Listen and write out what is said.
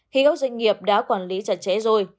khi các doanh nghiệp đã quản lý chặt chẽ rồi